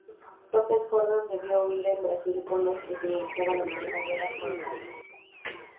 López Jordán debió huir al Brasil, con lo que finalizaba la primera guerra jordanista.